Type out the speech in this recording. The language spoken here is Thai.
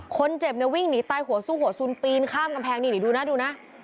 คนเจ็บเนี่ยวิ่งหนีตายหัวสู้หัวสุนปีนข้ามกำแพงนี่นี่ดูนะดูนะ